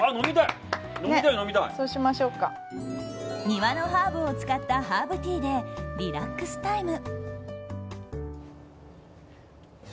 庭のハーブを使ったハーブティーでリラックスタイム。